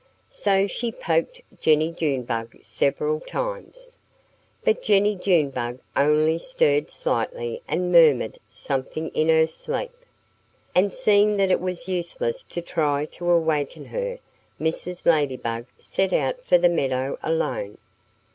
So she poked Jennie Junebug several times. But Jennie Junebug only stirred slightly and murmured something in her sleep. And seeing that it was useless to try to awaken her Mrs. Ladybug set out for the meadow alone.